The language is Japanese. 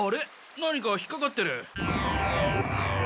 何か引っかかってる。